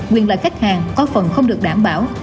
quyền lợi khách hàng có phần không được đảm bảo